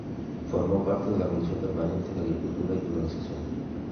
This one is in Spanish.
Formó parte de la comisión permanente de Agricultura y Colonización.